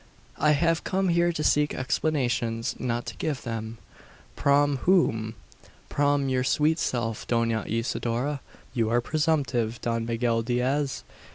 I have come here to seek explanations, not to give them." "Prom whom?" "Prom your sweet self, Dona Isidora." "You are presumptive, Don Miguel Diaz!